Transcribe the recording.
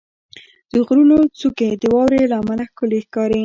• د غرونو څوکې د واورې له امله ښکلي ښکاري.